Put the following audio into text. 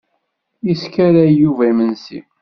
Yeskaray Yuba imensi.